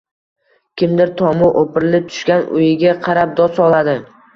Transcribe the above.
Kimdir tomi o‘pirilib tushgan uyiga qarab dod soladi